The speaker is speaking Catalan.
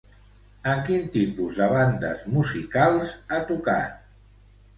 En quin tipus de bandes musicals ha tocat?